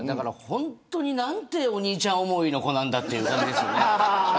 本当に何てお兄ちゃん思いの子なんだという感じですよね。